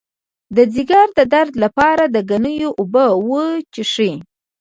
د ځیګر د درد لپاره د ګنیو اوبه وڅښئ